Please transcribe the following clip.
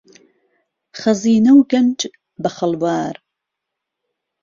خهزینه و گهنج به خهڵوار